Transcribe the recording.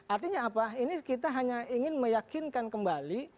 artinya apa ini kita hanya ingin meyakinkan kembali